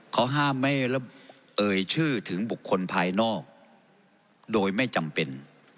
เขาห้ามไม่เอ่ยชื่อถึงบุคคลภายนอกโดยไม่จำเป็น